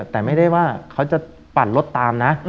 แต่ไม่ได้ว่าเขาจะปั่นรถตามนะ